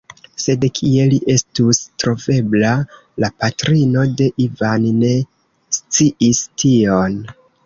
Sed kie li estus trovebla? La patrino de Ivan ne sciis tion.